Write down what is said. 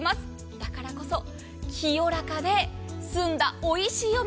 だからこそ、清らかで澄んだおいしいお水